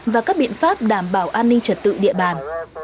và các biện pháp đảm bảo an ninh trật tự địa bàn